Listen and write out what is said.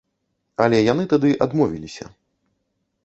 Але яны тады адмовіліся.